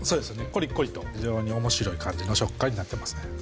コリコリと非常におもしろい感じの食感になってますね